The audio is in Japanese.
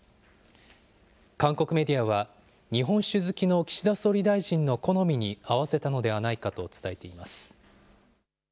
韓国メディアは、日本酒好きの岸田総理大臣の好みに合わせたのではないかと伝えています。